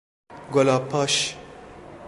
گلاب پاش